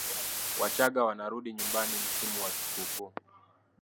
wachaga wanarudi nyumbani msimu wa sikukuu